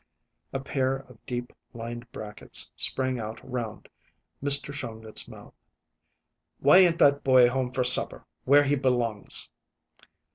A pair of deep lined brackets sprang out round Mr. Shongut's mouth. "Why ain't that boy home for supper, where he belongs?"